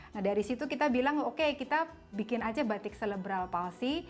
nah dari situ kita bilang oke kita bikin aja batik selebral palsi